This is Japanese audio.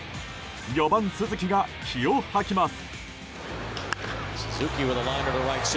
４番、鈴木が気を吐きます。